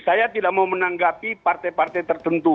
saya tidak mau menanggapi partai partai tertentu